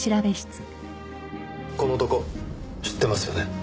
この男知ってますよね？